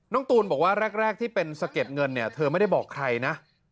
ตูนบอกว่าแรกที่เป็นสะเก็ดเงินเนี่ยเธอไม่ได้บอกใครนะ